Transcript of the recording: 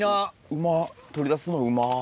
うまっ取り出すのうまっ。